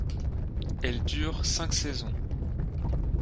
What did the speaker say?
Elle dure cinq saisons.